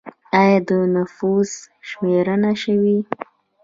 آیا د نفوس شمېرنه شوې؟